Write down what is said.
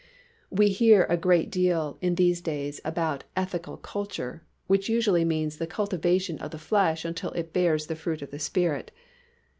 We hear a great deal in these days about "Ethical Culture," which usually means the cultivation of the flesh until it bears the fruit of the Spirit.